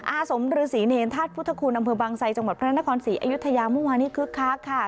อาสมฤษีเนรธาตุพุทธคุณอำเภอบางไซจังหวัดพระนครศรีอยุธยาเมื่อวานนี้คึกคักค่ะ